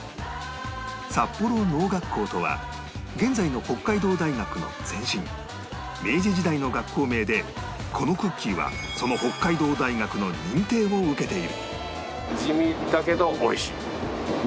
札幌農学校とは現在の北海道大学の前身明治時代の学校名でこのクッキーはその北海道大学の認定を受けている